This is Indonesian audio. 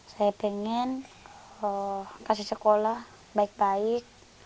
saya pengen kasih sekolah baik baik